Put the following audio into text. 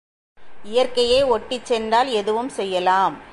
இயற்கையை ஒட்டிச் சென்றால் எதுவும் செய்யலாம்.